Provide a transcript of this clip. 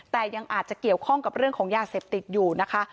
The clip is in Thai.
แต่ยังอาจจะเกี่ยวข้องกับเรื่องของยาเสพติดอยู่นะคะ